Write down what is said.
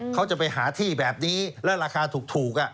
เขาจะไปหาที่แบบนี้แล้วราคาถูก